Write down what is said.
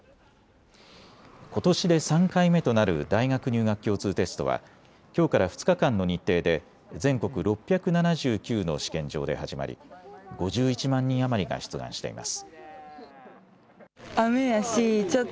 ことしで３回目となる大学入学共通テストはきょうから２日間の日程で全国６７９の試験場で始まり５１万人余りが出願しています。